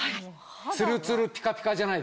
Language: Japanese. ツルツルピカピカじゃないですか？